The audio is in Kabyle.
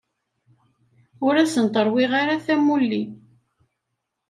Ur asent-rewwiɣ tamuli.